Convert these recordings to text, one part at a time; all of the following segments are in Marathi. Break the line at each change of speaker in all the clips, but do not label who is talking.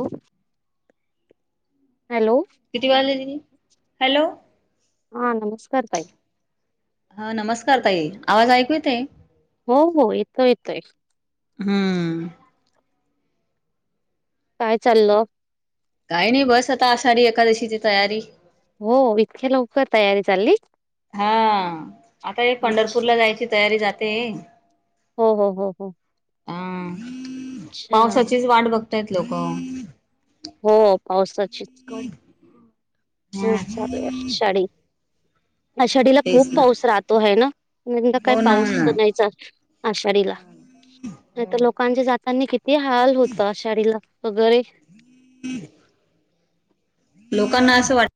ओ
किती वाजली त हॅलो
हा नमस्कार ताई
हा नमस्कार ताई आवाज ऐकू येताय
हो हो येतो येतोय
हम्म
काय चाललं
काही नाही बस आता आशाडी एकादशीची तयारी
हो इतके लवकर तयारी चालली
हा आता एक
अच्छा
पंढरपूरला जायची तयारी जातेये
हो हो हो हो
हम
अच्छा
पावसाचीच वाट बघतायत लोक
हो पावसाचीच
हा
खूप चालू आहे शाडी आषाढीला खूप
तेच ना
पाऊस राहतो है ना यंदा काही
हो ना
पाऊस
हो
नाहीच आषाढीला नाही
ना
तर लोकांचे जातानी किती हाल होतात आषाढीला वगैरे
[unintelligible] लोकांना असं वाट-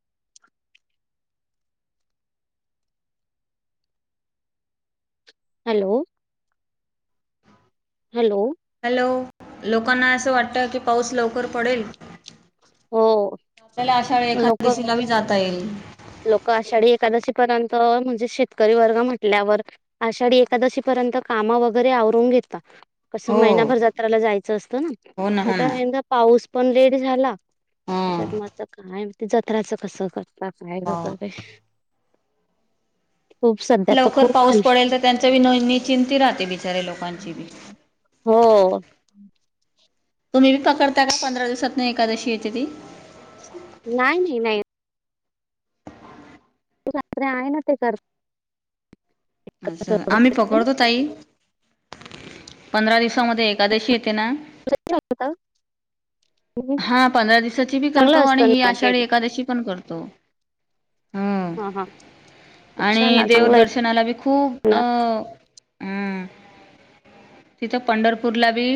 हॅलो हॅलो
हॅलो लोकांना असं वाटतं की पाऊस लवकर पडेल
हो
- आपल्याला अशा वेळी
लोक
एखाद्या दिवसलाही जाता येईल
लोक आषाढी एकादशी- म्हणजे शेतकरी वर् म्हटल्यावर आषाढी एकादशी पर्यंत काम वगरेवर घता कसं
हो
महिनाभर जात्राला जायचं असतं ना
हो हो
तेथ
ना
यंदा पाऊस पण रेट झाला
हा
त्याच्यात मा काय ते जत्राचं कसं करत काय
हा.
वगैरे खूप सध्या तर
लवकर
खूप
पाऊस
हल
पडेल तर त्यांच बी न निचिंती राहते बिचारे लोकांची बी
हो
तुम्ही बी पकडता का पंधरा दिवसात नाही एकादशी येते ती
नाही नाही नाही ूाते आहे ना ते कर
असं आम्ही पकडतो ताई पंधरा दिवस म एकादशी येते ना हा पंधरा दिवसाची बी
चांगलं
करतो आणि
असतं
ही
ना
आषाढी
केले
एखकादशी पण करतो हो
हा हा अच्छा
आणि
ना चांगलं आहे
देवदर्शनाला बी खूप
ना
अं हम तिथं पंढरपूरला बी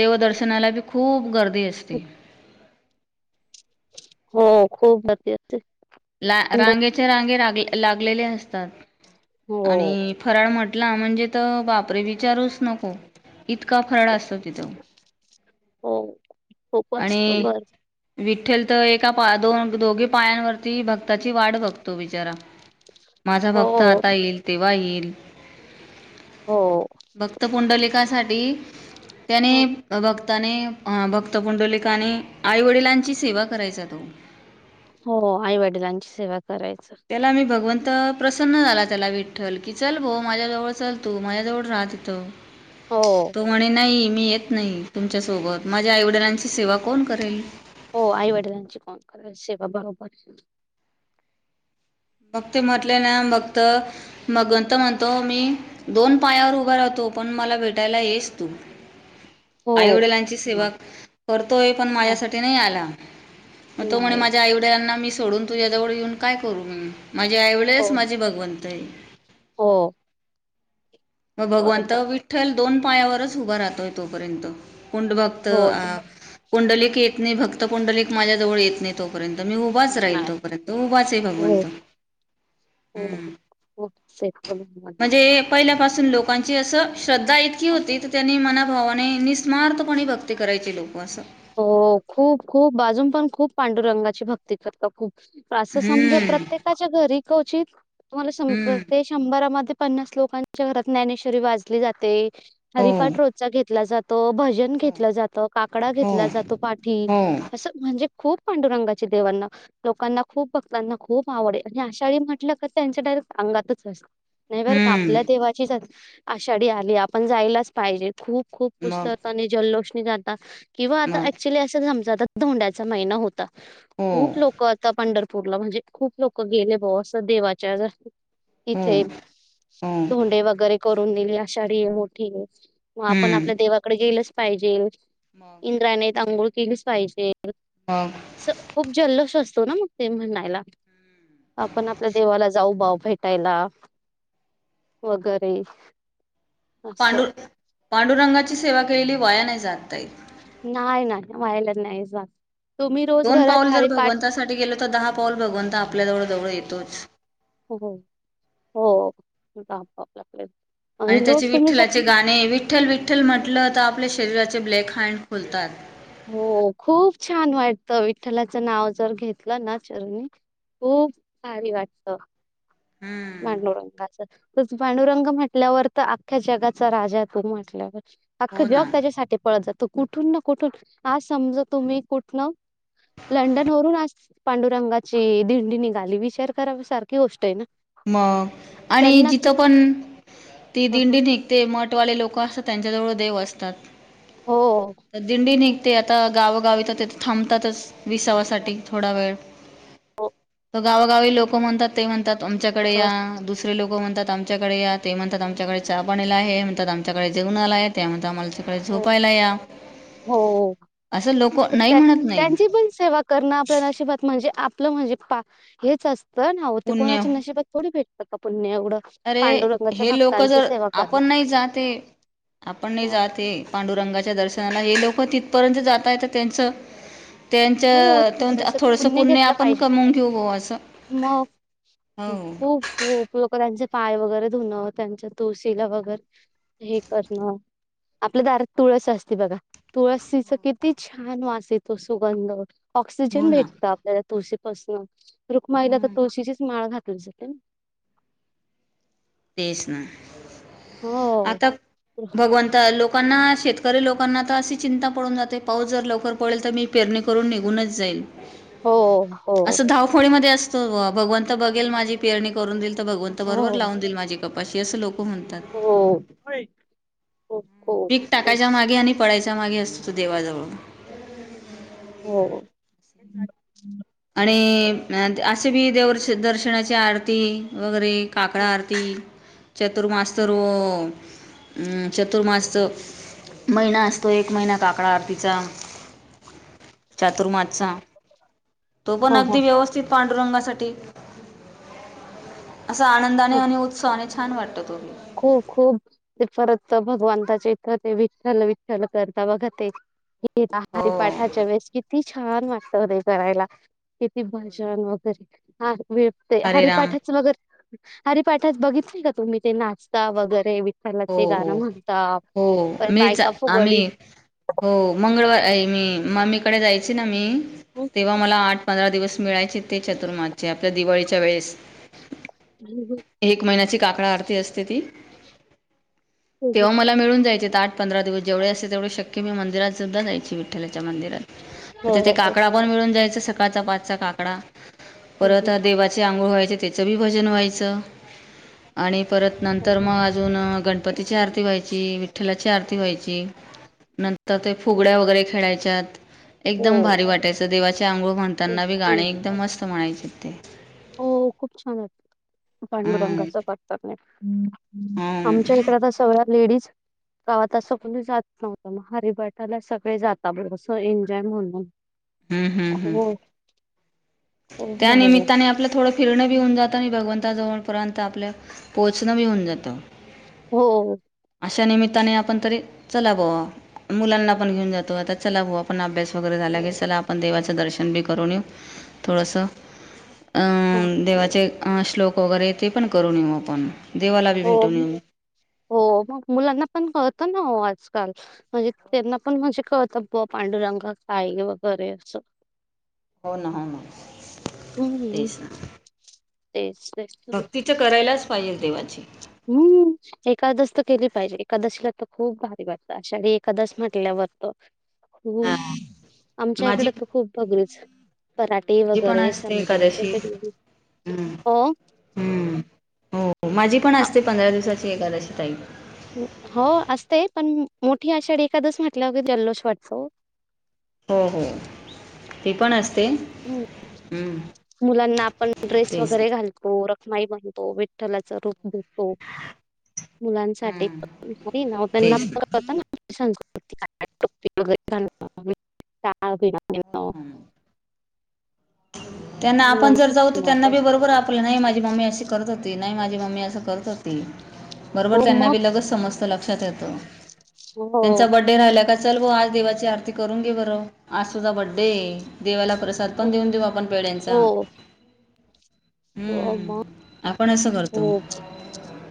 देवदर्शनाला बी खूप गर्दी ते
हो खूप म
ला रांगेचे रांगेग लागलेले असतात
हो
आणि फराळ म्हट टला म्हणजे तर बापरे विचारूच नको इतका फराळ असतो तिथं
हो खपच ख बर
उठेल तर एका दोन दोघी पायांवरती भक्ताची वाट बघतो बिचारा माझा
हो
भक्त आता येईल तेव्हा येईल
हो
भक्त पुुंडलखासाठी
हं,
त्यानेत भक्ताने भक्त पुुंडलिकाने आई वडिलांची सेवा करायचा तो
हो आई वडिलांची सेवा करायचं
त्याला आम्ही भगवंत प्रसन्न झाला त्याला विठ्ठल की चल भो माझ्याजवळ चल तू माझ्या जवळ राह तिथं
हो
तो म्हणे नाही मी येत नाही तुमच्यासोबत माझ्या आईवडिलांची सेवा कोण करेल
हो आई वडिलांची फण कराय से बाबा बर
मग ते म्हटले ना मगत मगंत म्हणतो मी दोन पायावर उभा राहतो तपण मला भेटायला येस तू
[unintelligible]
आई वडिलांची सेवा
ना-
करतोय पण
हो
माझ्यासाठी नाही आला मग तो म्ह
नाही
माझ्या आईडयांना मी सोडून तुझ्याजवळ येऊन काय करू मी माझी
हो
आईवळेच माझे भगवंत आहे
हो
मग भगवंत
बरोबर
विठ्ठल दोन पायावरच उभा राहतोय तोपर्यंत कुंड भक्त
हो
अ
दोन-
कंडलिक येत नाही भक्त कुंडलिक माझ्याजवळ येत नाही तो पर्यंत मी उभाच राहील
नाही
तोपर्यंत उभाच आहे
हो
भगवंत
हो
हम्म
हो
लोकां अस श्रधा इत होती त्यांनी म भावाने निस्मार्पणे भक्ती करायची लोक असं
हो खूप खूप अजून पण खूप पांडुरंगाची भक्ती करत खूप असं समज
हम्म
प्रत्येकाच्या घरी कवचित तुम्हाला
हम्म
ते शंभरामध्ये पन्नास लोकांच्या घरात ज्ञानेश्वरी वाजली जाते
हो
हरिफाट रोजचा घेतला जात तो भजन घेतलं जातं काकडा
हो
घेतला जातो पाठी
हो
असं म्हणजे खूप पांडुरंगाची देवांना लोकांना खूप भक्तांना खूप आवडे आणि आषाढी म्हटलं का त्यांच्या सांगातच नाही बर का आपल्या
हम्म
देवाचीच आषाढी आली आपण जायलाच पाहिजे खूप खूप
मग
पुस्तक आणि जल्लोषणी जात किंवा आता
मग
ऍक्च्युअली असंम धोंड्याचा महिना होता
हो
खूप लोक आता पंढरप पूरला म्हणजे खूप लोक गेले ब असं देवाच्या
हो
इथे
हो
धोंडे वगैरे करून दिली आषाढी आहे मोठी आहे मग आपण आपल्या देवाकडे गेलच पाहिजे
म
इंद्राणीेत अांघूळ कल्स पाहिजे
मग
खूप जल्लोस्वस्त ना मग ते म्हणणायला आपण आपल्या देवाला जाऊ बाऊ भेटायला वगैरे असं
पांडुर पांडुरंगाची सेवा केलेली वया नाही जातय
नाही नाही व्हायलाच नाही जा
दोन पाऊल जर भगवंतासाठी गेल तर दहा पाऊल भगवंता आपल्या जवळ जवळ येतोच
हो हो बा बापले
आणि त्याचे विठ्ठलाचे गाणे विठ्ठल विठ्ठल म्हटलं तर आपल्या शरीराचे ब्लॅक हँड खुलतात.
हो खूप छान वाट विठ्ठलाचं नाव जर घेतलं ना चरुणी खूप भारी वाटत
हम्म
भांडुरंगाच तर भांडुरंग म्हटल्यावर तर अख्ख्या जगाचा राज तून म्हटल्यावर अख्खं
हो
जग
ना.
त्याच्यासाठी पळत जातो कुठून ना कुठून आज समजा तुम्ही कुठ न लंडन वरून अस पांडुरंगाची दिंडी निघाली विचार करा सारखी गोष्ट आहे ना
मग आणि
त्यांना
जिथं
कित
पण ती
हं, हं.
दिंडी निघते मठवाले लोक असतात त्यां वळ देव असतात
हो.
तर दिंडी निघते आता गावा गावितातथ थांबतातच विसावासाठी थोडा वेळ
हो
तर गावागावी लोक म्हणतात ते म्हणतात आमच्याकडे या दुसऱ त लोको म्हणतात आमच्याकडे या ते म्हणतात आमच्याकडे चहा पाणीला आहे म्हणतात आमच्याकडे जेवण आला आहे त्या म्हणात आम्हाला तिकडे
हो,
झोपायला या
हो
असं लोकं नाही म्हणत नाही
त्यांची पण सेवा करणं आपल्याला अशीिबात म्हणजे आपलं म्हणजे पा हेच असतं ना हो ते
पुण्य
कोणाच्या नशिबात थोडी भेटतं का पु्य
अरे हे लोक जर
करणं.
आपण नाही जाते आपण नाही
अं,
जाते पांडुरंगाच्या दर्शन त्यां हे लोकं तिथपर्यंत जात आहेत तर त्यांचं
हो
त्यांच
थोडस
थोडसं
पुण्य
पुरणे
घेतलं
आपण
पाहिजे.
कमवून घेऊ भा असं
मग
हो
खूप खू उपयोग त्यांचे पाय वगैरे धुणं त्यांच्या तुळशीला वगैरे हे करणं आपल्या दारात तुळस असते बघा तुळसीच किती छान वास येतो असो ब
हो
ऑक्सिजन
ना
भेटत आपल्याला तुळशी पाासून रुक्माईला तर तुळशीची माळ घात अबदुलसेकन
तेच ना
हो
आता भगवंत लोक लोकांना शेतकरी लोकांना तर अशी चिंता पडून जाते पाऊस जर लवकर पडेल तर मी पेरणी करून निघूनच जाईल
हो हो.
असं धावफोळी मध्ये असतो भगवंत बघेल माझी पेरणी करून देईल तर भगवंत बरोबर
हो
लावून देईल माझी कपाशी असं लोक म्हणतात
हो होय. खूप खूप
पीक टाकायच्या
तेच
मागे आणि पडायच्या मागे असतो तो देवाजवळ
ह््
आणि असे बी देव दर्शनाची आरती वगैरे काकडा आरती चतुर्मास र चतुर्मास महिना असतो एक महिना काकडा आरतीचा चातुर्माचा तो पण
हो
अगदी
हो
व्यवस्थित पांडुरंगासाठी असं आनंदाने
खूप
आणि उत्साहाने छान वाटतं तुम्हाला
खूप खूप ते परत भगवंताचे इथ ते विठ्ठल विठ्ठल करता बघा ते त
हो
हारीपाठाच्या वेळेस किती छान वाटत होते करायला किती भजन वगैरे हा विते
हरे राम
हरिपाठच वगैरे हरिपाठच बघितले का तुम्ही ते नाश्ता वगैरे
हो
विठ्ठलाचे
हो
गाणं म्हणता
हो
परत
मीच
बायका फुगडी
आम्ही हो मंगळवार आहे मी ममीकडे जायची ना मी
हं?
तेव्हा मला आठ पंधरा दिवस मिळायचे ते चतुर्माचे आपल्या दिवाळीच्या वेळेस एक महिन्याची काकडा आरती असते ती तेव्हा
हो
मला मिळून जायचे ते आठ पंधरा दिवस जेवढे असते तेवढे शक्य मी मंदिरात सुद्धा जायची विठ्ठच्या मंदिरात तर तिथे
हो
काकड पण मिळून जायच सकाळचा पाचचा काकडा परत देवाचे आंघोळ व्हायचा त्याची भजन व्हायचं आणि परत
हो
नंतर
हो
मग अजून गणपतीची आरती व्हायची विठ्ठलाची आरती व्हायची नंत तर ते फुगड्या वगैरे खेळायच्यात एकदम भारी
हो
वाटायचं देवाचे आंघोळ
खूप
म्हणताना बी
खूप
गाणे एकदम मस्त म्हणायचे ते
हो खूप छान आहेत पांडुरंगाच करतात नाही आमच्या इकड तर सगळ्या लेडीज गावात असं कोणी जात नव्हतं मग हरिभटाला सगळे जाता बरंस एन्जॉय म्हणून
हम्म हम्म हम्म
हो खूप
त्या
भारी
निमित्ताने आपलं थोडं फिरणं बी होऊन जातं आणि भगवंताजवळपर्यंत आपल्या पोचणं बी होऊन जातं
हो
अशा निमित्ताने आपण तरी चला बो मुलांना पण घेऊन जातो आता चला भा आपण अभ्यास वगैरे झाला की चला आपण देवाच दर्शन बी करून येऊ थोडस
हो
अं देवाचे श्लोक वगैरे ते पण करून न येऊ आपण देवाला बी
हो
भेटून येऊ
हो मग मुलांना पणत ना आजकाल म्हणजे त्यांना पण म्हणजे कळत पांडुरंगा काई वगैरे अस
हो ना हो मग
हम्म
तेच ना
तेच तेच
भक्तीच करायलाच पाहिजे देवाची
हम्म एकादस तर केली पाहिजे एकादशीला तर खूप भारी वाटत अषाढी एकादस म्हटल्यावर खूप आमच्या
माझी
इकडे तर खूप बगरीच पराटे
माझी पण
वगैरे
असते
समुदाचे
एकादशी
खड
हम्म,
हो
हो माझी पण
आ-
असते पंधरा दिवसाची एखादशी ताई
हो असतेय पण मोठी आषाढी एखादच म्हटल्या जल्लोष वाटतो
हो हो ते पण असते
ह्
हम्म,
मुलांना आपण ड्रेस
तेच
वगैरे घालतो माई बनतो विठ्ठलाच रूप द हो मुलांसाठी
हम्म,
ना त्यांना परता ना अ
त्यांना आपण जर
खूप
जाऊ तर
छान
त्यांना
वाटतं
बी बरोबर आपले नाही माझी मम्मी अशी करत होती नाही माझी मम्मी असं करत होती बरोबर
हो
त्यांना
मग
बी लगेच समजत लक्षात येत त्यांचा
हो.
बर्थडे राहिल्या का चल ब आज देवाची आरती करून घे बरं आज सुद्धा बड्डे आहे देवाला प्रसाद पण
हो
देऊन कोण पेढ्यांचा
हो हो,
हम्म
मग
आपण असं करतो
हो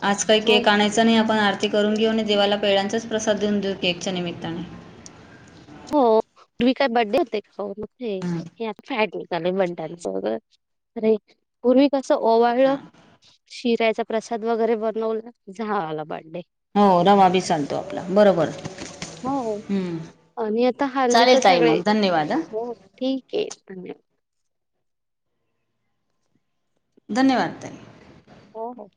आज काही
हो.
केक आणायचा नाही आपण आरती करून घेऊ आणि देवाला पेढ्याचाच प्रसाद देऊन देऊ की केकच्या निमित्ताने
हो हे काय बड्डे होते का हो हे हे
नाही
आता फॅट निघालाय
ना
बड्डयाचा वगैरे अरे पूर्वी कस
हा ना
ओवाळल शिऱ्याचा प्रसाद वगैरे बनवला झाला बड्डे
हो रवा बी चालतो आपला बरोबर
हो
हम्म
आणि आता हल्ली तर
चालेल ताई
सगळे
मग धन्यवाद हा
हो ठीक आहे धन्यवाद
धन्यवाद
हो हो